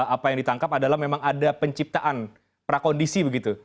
apa yang ditangkap adalah memang ada penciptaan prakondisi begitu